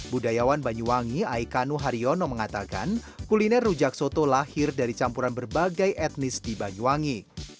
budayawan banyuwangi aikanu haryono mengatakan kuliner rujak soto lahir dari campuran berbagai etnis di banyuwangi